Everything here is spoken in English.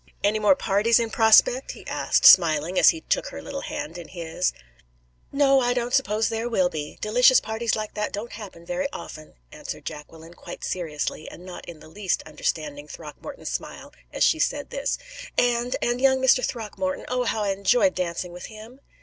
"Any more parties in prospect?" he asked, smiling, as he took her little hand in his. "No, I don't suppose there will be. Delicious parties like that don't happen very often," answered Jacqueline, quite seriously, and not in the least understanding Throckmorton's smile as she said this. "And and young Mr. Throckmorton oh, how I enjoyed dancing with him!"